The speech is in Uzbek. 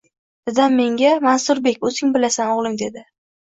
Dadam menga “Mansurbek, oʻzing bilasan, oʻgʻlim” dedi